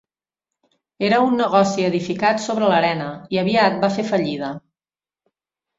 Era un negoci edificat sobre l'arena, i aviat va fer fallida.